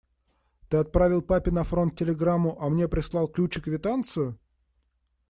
Ты отправил папе на фронт телеграмму, а мне прислал ключ и квитанцию?